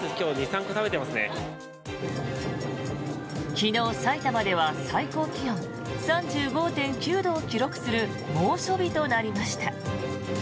昨日、さいたまでは最高気温３５．９度を記録する猛暑日となりました。